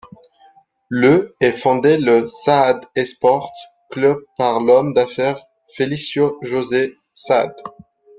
Le est fondé le Saad Esporte Clube par l'homme d'affaires Felício José Saad.